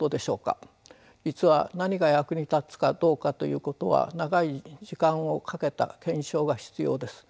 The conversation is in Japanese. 実は何が役に立つかどうかということは長い時間をかけた検証が必要です。